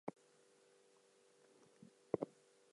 The Irish feudal barony also existed.